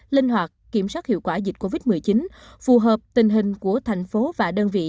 linh hoạt kiểm soát hiệu quả dịch covid một mươi chín phù hợp tình hình của thành phố và đơn vị